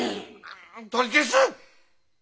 あ取り消す！